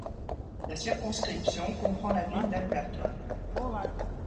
La circonscription comprend la ville d'Alberton.